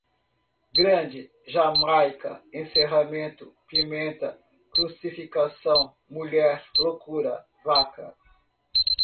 grande, jamaica, encerramento, pimenta, crucificação, mulher, loucura, vaca